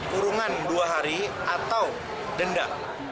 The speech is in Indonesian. kurungan dua hari atau denda